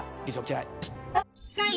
はい。